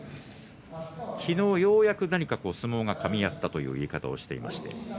昨日ようやく相撲がかみ合ったという言い方をしていました。